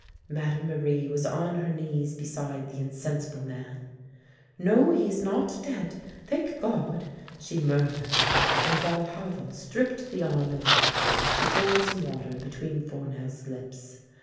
Madame Marie was on her knees beside the insen sible man. " No, he is not dead, thank God !" she murmured, and while Havel stripped the arm and leg, she poured some water between Fournel's lips.